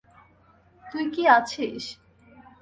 তুই কি আছিস?